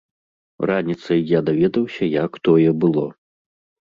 Раніцай я даведаўся, як тое было.